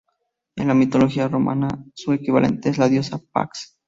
En la mitología romana su equivalente es la diosa Pax.